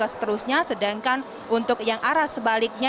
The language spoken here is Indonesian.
seterusnya sedangkan untuk yang arah sebaliknya